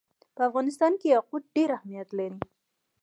په افغانستان کې یاقوت ډېر اهمیت لري.